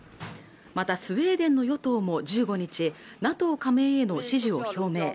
またスウェーデンの与党も１５日ＮＡＴＯ加盟への支持を表明